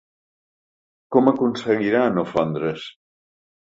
Com aconseguirà no fondre’s?